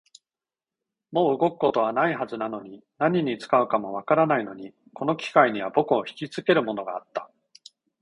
もう動くことはないはずなのに、何に使うかもわからないのに、この機械には僕をひきつけるものがあった